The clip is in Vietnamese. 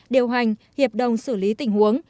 điều hành hiệp đồng xử lý tình huống